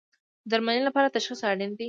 د درملنې لپاره تشخیص اړین دی